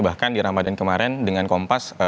bahkan di ramadan kemarin dengan kompas